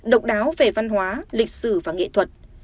độc đáo về văn hóa lịch sử và nghệ thuật